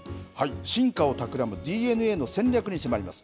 進化をたくらむＤＮＡの戦略に迫ります。